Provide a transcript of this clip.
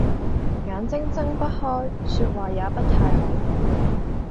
眼睛睜不開，說話也不太好